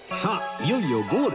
いよいよゴールへ